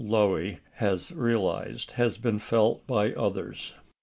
Loewy has realised has been felt by others.